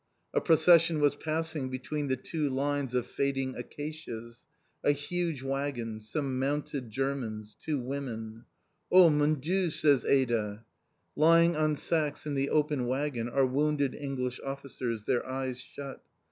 A procession was passing between the long lines of fading acacias. A huge waggon, some mounted Germans, two women. "Oh, mon Dieu!" says Ada. Lying on sacks in the open waggon are wounded English officers, their eyes shut.